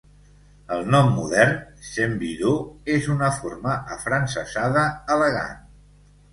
El nom modern, Saint Budeaux, és una forma afrancesada "elegant".